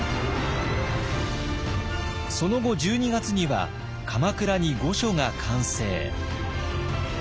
その後１２月には鎌倉に御所が完成。